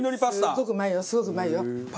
すごくうまいよすごくうまいよ。